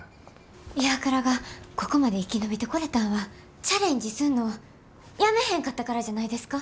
ＩＷＡＫＵＲＡがここまで生き延びてこれたんはチャレンジすんのをやめへんかったからじゃないですか？